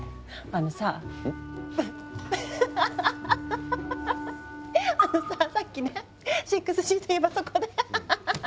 あのささっきね６Ｇっていえばそこでそこで。